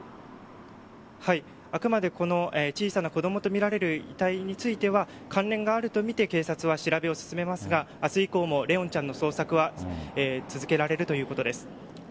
あくまで小さな子供とみられる遺体については関連があるとみて警察は調べを進めますが明日以降も怜音ちゃんの捜索は続けられるということです。